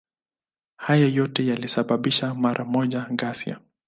Hayo yote yalisababisha mara moja ghasia.